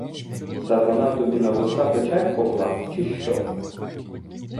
Сатана тобі на вуста печать поклав чи що?